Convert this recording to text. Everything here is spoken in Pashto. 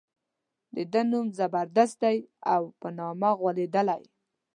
د ده نوم زبردست دی او په نامه غولېدلی.